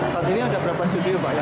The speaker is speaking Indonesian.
saat ini ada berapa studio pak